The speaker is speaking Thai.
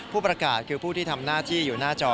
ผู้ประกาศคือผู้ที่ทำหน้าที่อยู่หน้าจอ